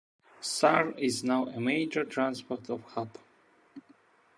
Sarh is now a major transport hub.